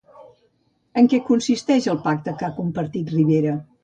En què consisteix el pacte que ha compartit Rivera?